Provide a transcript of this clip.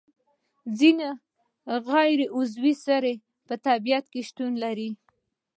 ځینې غیر عضوي سرې په طبیعت کې شتون لري.